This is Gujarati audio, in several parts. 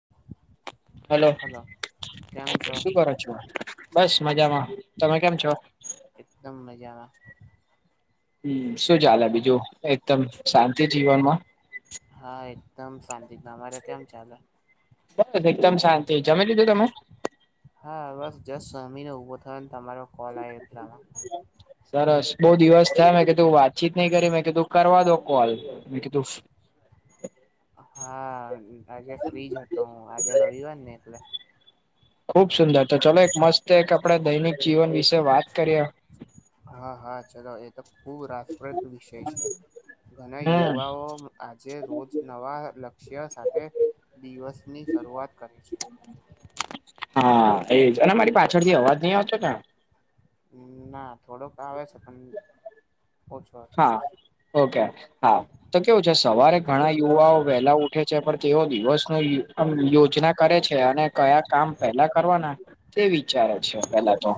[inaudible] હેલો હલો કેમ છો શું કરો છો બસ મજામાં તમે કેમ છો. એકદમ મજામાં હમ શું ચાલે બીજું એકદમ શાંતિ જીવનમાં. હા એકદમ શાંતિ તમારે કેમ ચાલે. બસ એકદમ શાંતિ જમે લીધું તમે. હા બસ જસ જમીને ઉભો થયો ને તમારો કોલ આવ એકલામાં. સરસ બઉ દિવસ થયા મેં કે તું વાતચીત નહી કરી મેં કે તું કરવા દો કોલ મે કે તું. હા આજે ફ્રીજ હતો હું આજે રવિવાર ને એકલે. ખુબ સુંદર તો ચાલ એક મસ્ત એક આપણે દૈનિક જીવન વિશે વાત કરીએ. હા હા ચલો એ તો ખુબ રાસપ્રદ વિષય છે. ઘણા હમ યુવાઓ આજે રોજ નવા લક્ષ્ય સાથે. દિવસ ની શરૂઆત કરે છે. હા એજ અને મારી પાછળથી અવાજ નહી આવતો ના થોડુંક આવે છે પણ ઓછો હા ઓકે હા. તો કેવું છે સવારે ઘણા યુવાઓ વહેલા ઉઠે છે પણ તેઓ દિવસ ન યોજના કરે છે અને કયા કામ પેલા કરવાના તે વિચારે છે પેલા તો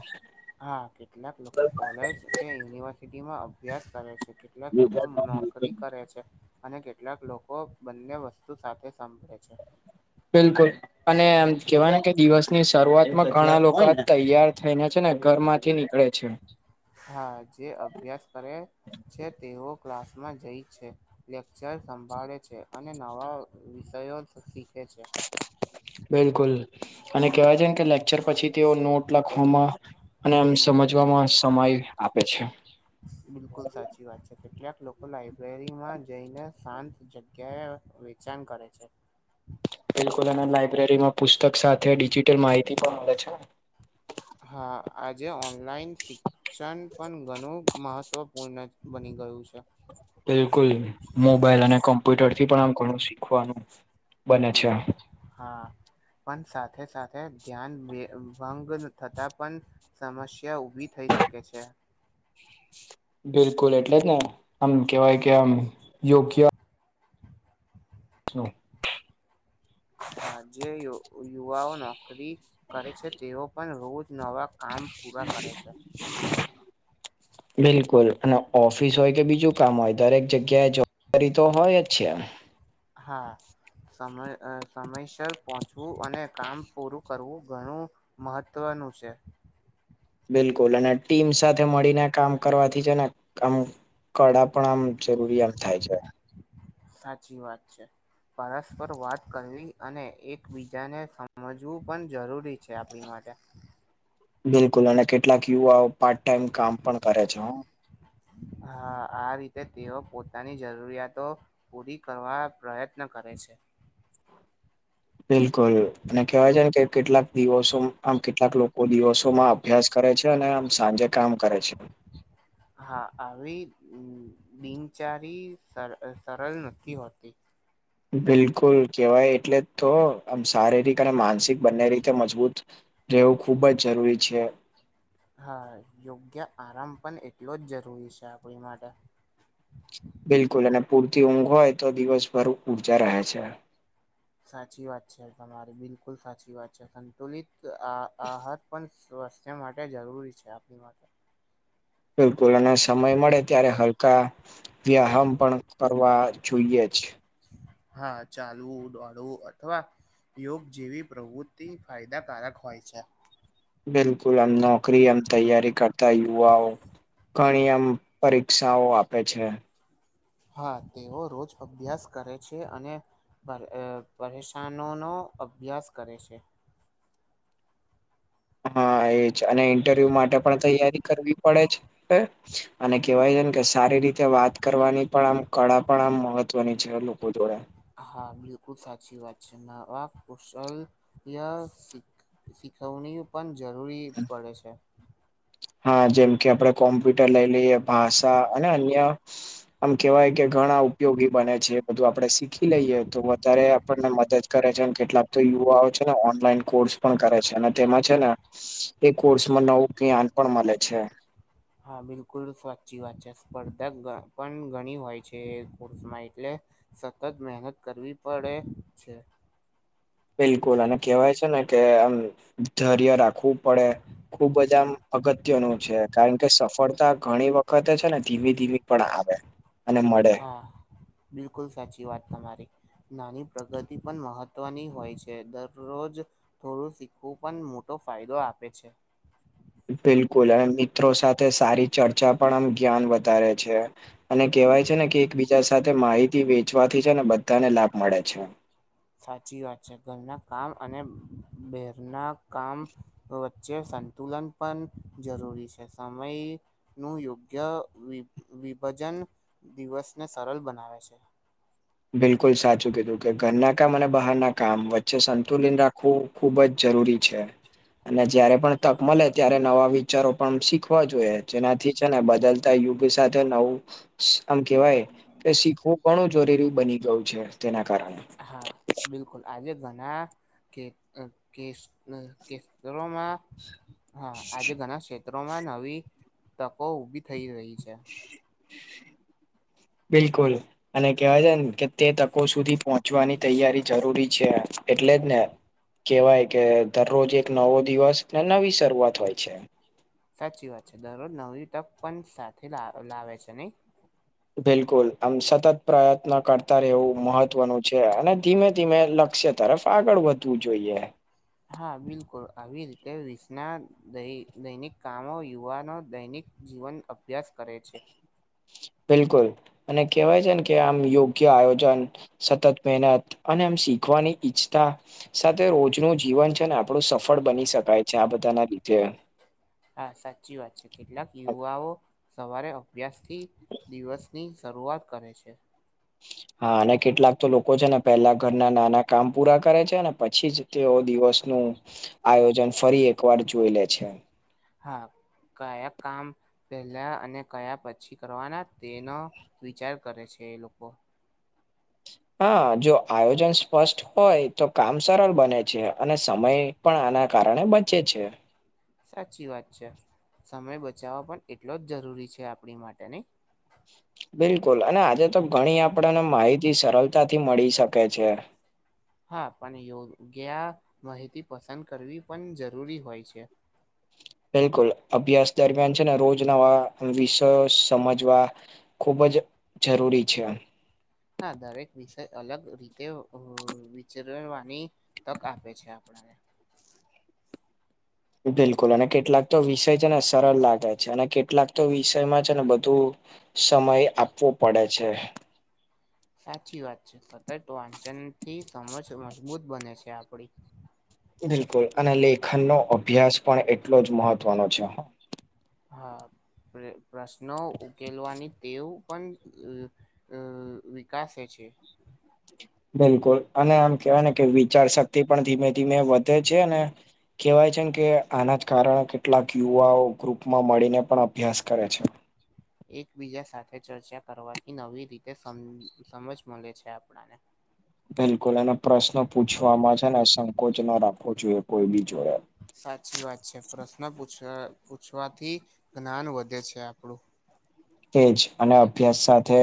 હા કેટલાક લોકો કોલેજ કે યુનિવર્સિટીમાં અભ્યાસ કરે છે કેટલાક લોકો નોકરી કરે છે અને કેટલાક લોકો બંને વસ્તુ સાથે સાંભળે છે બિલકુલ અને એમ કેવાય ને કે દિવસની શરૂઆતમાં ઘણા લોકો તૈયાર થઈને છે ને ઘર માંથી નીકળે છે હા જે અભ્યાસ કરે છે તેઓ ક્લાસમાં જઈ છે. લેક્ચર સંભાળે છે અને નવા વિષયો શીખે છે. બિલકુલ અને કેવાય છેમ કે અછર પછી તેઓ નોટ લખવામાં અને એમ સમજવામાં સમય આપે છે. બિલકુલ સાચી વાત છે કેટલાક લોકો લાયબ્રેરીમાં જઈને શાંત જગ્યાએ વે. ચેમ કરે છે. બિલકુલ અને લાયબ્રેરીમાં પુસ્તક સાથે ડિજીિટલ માહિતી પણ મળે છે. હા આજે ઓનલાઈન ક્ષણ પણ ઘણું મહત્વપૂર્ણ બની ગયું છે. બિલકુલ મોબાઈલ અને કમ્પ્યુટર થી પણ આમ ઘણું શીખવાનું. બને હુ છે. હા. પણ સાથે સાથે ધ્યાન ભંગ થતા પણ સમસ્યા ઉભી થઈ શકે છે. બિલકુલ એટલે જને આમ કેવાય કે આમ યોગ્ય. નો. હા જે યુવાઓ નોકરી કરે છે તેઓ પણ રોજ નવા. કામ પૂરા કરે છે. બિલકુલ અને ઓફિસ હોય કે બીજું કામ હોય દરેક જગ્યાએ જ કરીર તો હોય જ છે એમ. હા. સમ સમયસર પહોંચવું અને કામ પૂરું કરવું ઘણું. મહત્વનું છે. બિલકુલ અને ટીમ સાથે મળીને કામ કરવાથી છે ને આમ કડા. પણ આમ જરૂરી આમ થાય છે. સાચી વાત છે. પરસ્પર વાત કરવી અને એકબીજાને સમજવું પણ જરૂરી. છે આપણી માટે. બિલકુલ અને કેટલાક યુવાઓ પાર્ટ ટાઈમ કામ પણ કરે છે. હા આ રીતે તેઓ પોતાની જરૂરિયાતો. પૂરી કરવા પ્રયત્ન કરે છે. બિલકુલ અને કેવાય છે ને કે કેટલાક દિવસો આમ કેટલાક લોકો દિવસોમાં આપ. અભ્યાસ કરે છે અને આમ સાંજે કામ કરે છે. હા આવી દિનચારી સર સરળ નથી હોતી. બિલકુલ કેહેવાય એટલે તો આમ શારીરિક અને માનસિક બંને રીતે મજબૂત. રહેવું ખૂબ જ જરૂરી છે. હા યોગ્ય આરામ પણ એટલો જ જરૂરી છે આપણી માટે. બિલકુલ અને પૂરતી ઊંઘ હોય તો દિવસભર ઉર્જા રહે છે. સાચી વાત છે તમારી બિલકુલ સાચી વાત છે સંતુલિત આ આહાર પણ. સ્વાસ્થ્ય માટે જરૂરી છે આપણી માટે. બિલકુલ અને સમય મળે ત્યારે હલકા વ્યાયામ પણ કરવા જોઈએ છે. હા ચાલવું દોડવું અથવા. યોગ જેવી પ્રવૃત્તિ ફાયદાકારક હોય છે. બિલકુલ આમ નોકરી એમ તૈયારી કરતા યુવાઓ. ઘણી આમ પરીક્ષાઓ આપે છે. હા તેઓ રોજ અભ્યાસ કરે છે અને. પરેશાનોનો અભ્યાસ કરે છે. હા એજ અને ઇન્ટરવ્યુ માટે પણ તૈયારી કરવી પડે છે હ અને કેવાય છે ને કે સારી રીતે વાત કરવાની પણ આમ કળા પણ આમ મહત્વની છે. લોકો જોડે હા બિલકુલ સાચી વાત છે નવા કુશલ શીખવણી પણ જરૂરી પડે છે. હા જેમ કે આપડણે કોમ્પ્યુટર લઈ લઈએ ભાષા અને અન્ય આમ કેવાય કે ઘણા ઉપયોગી બને છે બધું આપડે શીખી લઈએ તો વધારે ને મદદ કરે છે કેટલાક તો યુવાઓ છે ને ઓનલાઈન કોર્સ પણ કરે છે અને તેમાં છે ને એ કોર્સમાં નવું જ્ઞાન પણ મળે છે. હા બિલકુલ સાચી વાત છે સ્પર્ધા પણ ઘણી હોય છેર્માં એટલે સતત મહેનત કરવી પડે છે. બિલકુલ અને કેહેવાય છે ને કે આમ ધર્ય રાખવું પડે ખુબ બધામ અગત્યનું છે કારણ કે સફળતા ઘણી વખત તે છે ને ધીમે ધીમે પણ આવે અને મળે હા બિલકુલ સાચી વાત તમારી નાની પ્રગતિ પણ મહત્વની હોય છે દરરોજ થોડું શીખવું પણ મોટો ફાયદો આપે છે. બિલકુલ અને મિત્રો સાથે સારી ચર્ચા પણ આમ જ્ઞાન વધારે છે. અને કેહેવાય છે ને કે એક બીજા સાથે માહિતી વેચવાથી છે ને બધાને લાભ મળે છે. સાચી વાત છે ઘરના કામ અને બહેરના કામ જે સંતુલન પણ જરૂરી છે સમય નું યોગ્ય વિભાજન દિવસને સરળ બનાવે છે. બિલકુલ સાચું કીધું કે ઘરના કામ અને બહાર ના કામ વચ્ચે સંતુલન રાખવું ખબ જ જરૂ છે અને જ્યારે પણ તક મળે ત્યારે નવા વિચારો પણ શીખવા જોઈએ જેનાથી છે ને બદલતા યુગ સાથે નવું આમ કેવાય કે શીખવું ઘણું જોરીરી બની ગયું છે તેના કારણે હા બિલકુલ આજે ઘણા કે કે કેસરોમાં હા આજે ઘણા સે ચોમાં નવી તકો ઉભી થઈ રહી છે. બિલકુલ અને કેવાય છે ને કે તે તકો સુધી પહોંચ ચવાની તૈયારી જરૂરી છે એટલે જ ને કેવાય કે દરરોજ એક નવો દિવસ ને નવી શરૂઆત હોય છે. સાચી વાત છે દરરોજ નવી તક પણ સાથે લાવે છે નહી બિલકુલ આમ સતત પ્રયત્ન કરતા રહેવું મહત્વનું છે અને ધીમે ધીમે લક્ષ્ય તરફ આગળ વધવું જોઈએ હા બિલકુલ આવી રીતે વિસના દૈનિક કામો યુવાનો દૈનિક જીવન અભ્યાસ કરે છે. બિલકુલ અને કેહેવાય છે ને કે આમ યોગ્ય આયોજન સતત મહેનત અને એમ શીખવાની ઈચ્છતા સાથે રોજનું જીવન છે ને આપણું સફળ બની શકાય છે આ બધા ના રીધે હા સાચી વાત છે કેટલાક યુવાઓ સવારે અભ્યાસ થી દિવસની શરૂઆત કરે છે. હા અને કેટલાક તો લોકો છે ને પેલા ઘરના નાના કામ પૂરા કરે છે ને', પછી જ તેઓ દિવસ નું આયોજન ફરી એકવાર જોઈ લે છે હા કયા કામ-' પેલા અને કયા પછી કરવાના તેનો વિચાર કરે છે એ લોકો હા જો આયોજન સ્પષ્ટ હોય તો કામ સરળ બને છે અને સમય પણ આના કારણે બચે છે. સાચી વાત છે સમય બચાવવા પણ એટલો જ જરૂરી છે આપણી માટેની બિલકુલ અને આજે તો ઘણી આપડને માહિતી સરળતાથી મળી શકે છે. હા પણ યોગ્ય માહિતી પસંદ કરવી પણ જરૂરી હોય છે. બિલકુલ અભ્યાસ દરમિયાન છે ને રોજ નવા વિષયો સમજવા ખૂબ જ જરૂરી છે આ. હા દરેક વિષય અલગ રીતે વિચરવાની તક આપે છે આપણાને. બિલકુલ અને કેટલાક તો વિષય છે ને સરળ લાગે છે અને કેટલાક તો વિષયમાં છે ને બધું સમય આપવો પડે છે. સાચી વાત છે સતત વાંચનથી સમજ મજબૂત બને છે આપણી બિલકુલ અને લેખન નો અભ્યાસ પણ એટલો જ મહત્વનો છે. હા પ્રશ્નો ઉકેલવાની ટેવ પણ અ વિકાસ છે. બિલકુલ અને આમ કેહેવાય ને કે વિચાર શક્તિ પણ ધીમે ધીમે વધે છે અને કેવાય છે ને કે આના જ કારણે કેટલાક યુવાઓ ગ્રુપમાં મળીને પણ અભ્યાસ કરે છે. એકબીજા સાથે ચર્ચા કરવાથી નવી રીતે સમ સમજ મળે છે આપણાને બિલકુલ અને પ્રશ્ન પૂછવામાં છે ને સંકોચ ના રાખવો જોઈએ કોઈ બી જોડે. સાચી વાત છે પ્રશ્ન પૂછવાથી જ્ઞાન વધે છે આપણું તેજ અને અભ્યાસ સાથે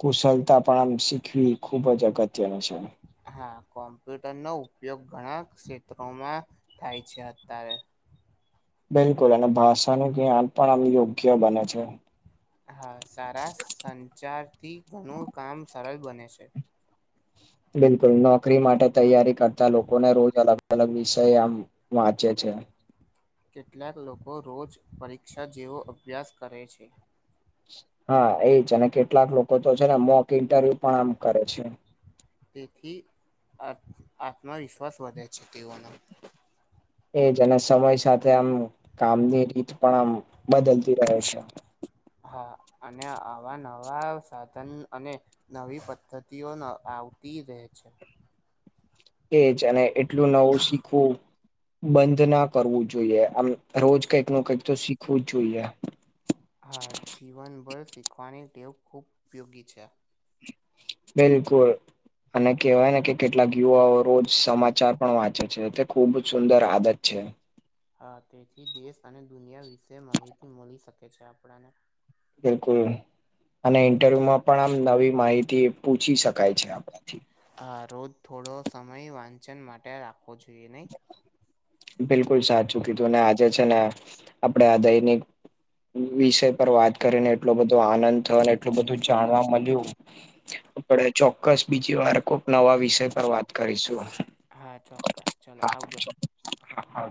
કુશલતા પણ આમ શીખવી ખુબ જ અગત્યનું છે. હા કોમ્પ્યુટર નો ઉપયોગ ઘણા ક્ષેત્રોમાં થાય છે અત્યારે. બિલકુલ અને ભાષાનું જ્ઞાન પણ આમ યોગ્ય બને છે. હા સારા સંચારથી ઘણું કામ સરળ બને છે. બિલકુલ નોકરી માટે તૈયારી કરતા લોકોને રોજ અલગ અલગ વિષય આમ વાંચે છે. કેટલાક લોકો રોજ પરીક્ષા જેવો અભ્યાસ કરે છે. હા એજ અને કેટલાક લોકો તો છે ને મોક ઇન્ટરવ્યુ પણ આમ કરે છે. તેથી આત્મવિશ્વાસ વધે છે તેઓનો. એજ અને સમય સાથે આમ કામની રીત પણ આમ બદલતી રહે છે. હા અને આવા નવા સાધન અને નવી પદ્ધતિઓ આવતી રહે છે. કેજ અને એટલું નવું શીખવું બંધ ના કરવું જોઈએ આમ રોજ કઈક ન કંઈક તો શીખવું જ જોઈએ. હા જીવનભર શીખવાની ટેવ ખૂબ ઉપયોગી છે. બિલકુલ અને કેવાય ને કે કેટલાક યુવાઓ રોજ સમાચાર પણ વાંચે છે ખુબ જ સુંદર આદત છે. હા તેથી દેશ અને દુનિયા વિશે માહિતી મળી શકે છે આપણને બિલકુલ અને ઇન્ટરવ્યુમાં પણ આમ નવી માહિતી પૂછી શકાય છે આપણાથી. હા રોજ થોડો સમય વાંચન માટે રાખવો જોઈએ નહીં. બિલકુલ સાચુંકી તું અને આજે છે ને આપડે આ દૈનિક વિષય પર વાત કરીને એટલો બધો આનંદ થયો એટલું બધું જાણવા મળ્યું. આપણે ચોક્કસ બીજી વાર કોક નવા વિષય પર વાત કરીશું. હા ચોક્કસ ચલો હા આવજો. હા.